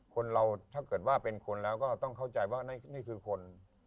คนเราถ้าเกิดว่าเป็นคนแล้วก็ต้องเข้าใจว่านี่คือคน